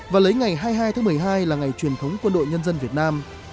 và lấy ngày hai mươi hai tháng một mươi hai là ngày truyền thống quân đội nhân dân việt nam